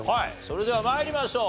それでは参りましょう。